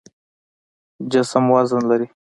جسم وزن لري.